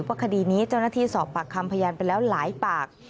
คดีนี้เจ้าหน้าที่สอบปากคำพยานไปแล้วหลายปาก